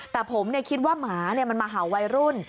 แต่ผมคิดว่าหมามันมาเห่าวัยรุ่น